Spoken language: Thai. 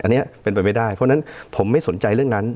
อันนี้เป็นไปไม่ได้เพราะฉะนั้นผมไม่สนใจเรื่องนั้น